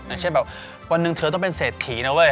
อย่างเช่นแบบวันหนึ่งเธอต้องเป็นเศรษฐีนะเว้ย